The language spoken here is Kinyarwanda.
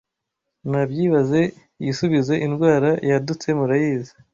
Nabyibaze yisubize Indwara yadutse murayizi